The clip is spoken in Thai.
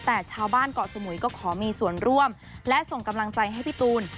แต่ชาวบ้านเกาะสมุยก็ขอมีส่วนร่วมและส่งกำลังใจให้พี่ตูน